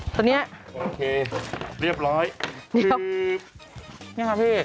ตอนนี้โอเคเรียบร้อยคือเนี่ยค่ะพี่